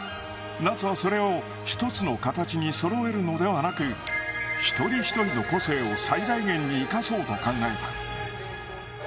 夏はそれを１つの形にそろえるのではなく、一人一人の個性を最大限に生かそうと考えた。